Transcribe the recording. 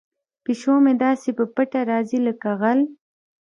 پیشو مې داسې په پټه راځي لکه غل.